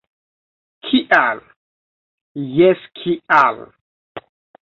Kial? - Jes, kial?